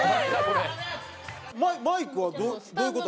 マイクはどういう事？